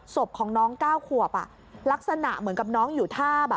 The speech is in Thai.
ศพของน้อง๙ขวบลักษณะเหมือนกับน้องอยู่ท่าแบบ